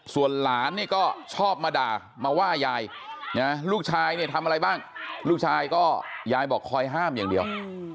ส่วนหลานนี่ก็ชอบมาด่ามาว่ายายนะลูกชายเนี่ยทำอะไรบ้างลูกชายก็ยายบอกคอยห้ามอย่างเดียว